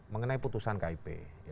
mengenai putusan kip